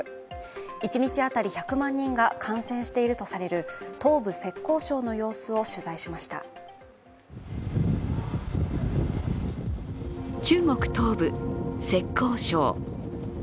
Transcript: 一日当たり１００万人が感染しているとされる東部、浙江省の様子を取材しました中国東部、浙江省。